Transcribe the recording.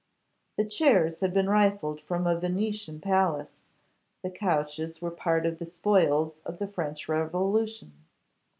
The chairs had been rifled from a Venetian palace; the couches were part of the spoils of the French revolution.